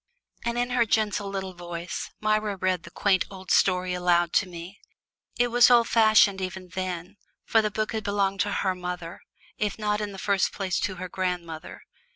And in her gentle little voice Myra read the quaint old story aloud to me. It was old fashioned even then, for the book had belonged to her mother, if not in the first place to her grandmother.